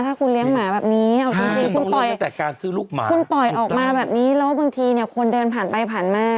ถ้าคุณเลี้ยงหมาแบบนี้คุณปล่อยออกมาแบบนี้แล้วบางทีเนี่ยคนเดินผ่านไปผ่านมา